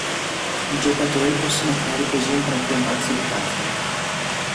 I giocatori possono creare così un proprio "mazzo di carte".